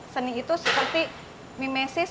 seni itu seperti mimesis